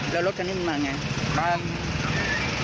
อ๋อแล้วรถการณ์นี้มันมาอย่างไร